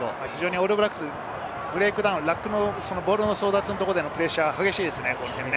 オールブラックスはボールの争奪のところでのプレッシャーが激しいですね。